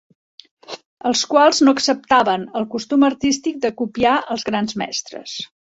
Els quals no acceptaven el costum artístic de copiar els grans mestres.